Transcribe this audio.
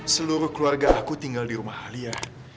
seluruh keluarga aku tinggal di rumah alia